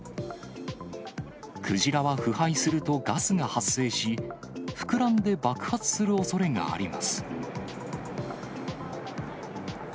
クジラは腐敗するとガスが発生し、膨らんで爆発するおそれがあります。